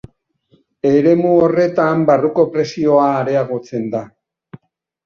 Eremu horretan barruko presioa areagotzen da.